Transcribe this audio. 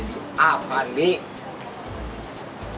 jadi apa nih